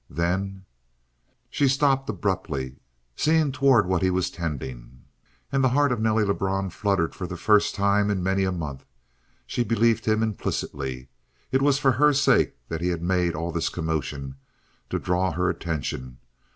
"Then " She stopped abruptly, seeing toward what he was tending. And the heart of Nelly Lebrun fluttered for the first time in many a month. She believed him implicitly. It was for her sake that he had made all this commotion; to draw her attention.